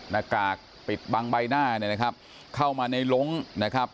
หน้ากากปิดบังใบหน้าเนี่ยนะครับเข้ามาในล้งนะครับ